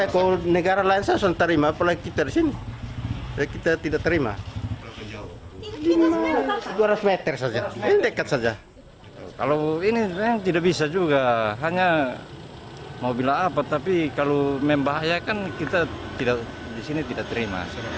kalau ini tidak bisa juga hanya mobil apa tapi kalau membahayakan kita tidak disini tidak terima